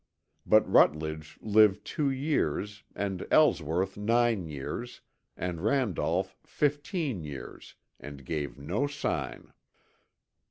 But Rutledge lived two years, and Ellsworth nine years, and Randolph fifteen years, and gave no sign.